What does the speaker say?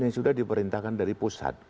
yang sudah diperintahkan dari pusat